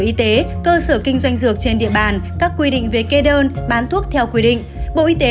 y tế cơ sở kinh doanh dược trên địa bàn các quy định về kê đơn bán thuốc theo quy định bộ y tế